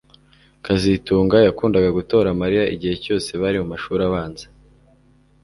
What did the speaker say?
kazitunga yakundaga gutora Mariya igihe cyose bari mumashuri abanza